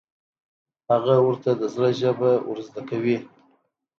هغه ورته د زړه ژبه ور زده کوي.